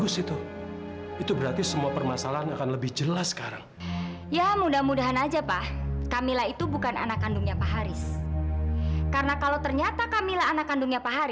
sampai jumpa di video selanjutnya